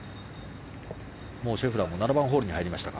シェフラーも７番ホールに入りました。